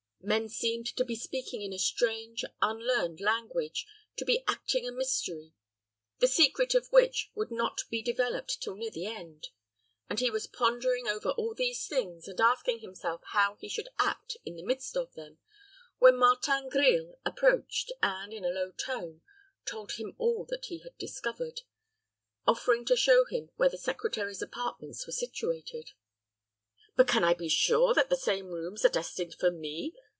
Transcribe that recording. Men seemed to be speaking in a strange, unlearned language to be acting a mystery, the secret of which would not be developed till near the end; and he was pondering over all these things, and asking himself how he should act in the midst of them, when Martin Grille approached, and, in a low tone, told him all that he had discovered, offering to show him where the secretary's apartments were situated. "But can I be sure that the same rooms are destined for me?"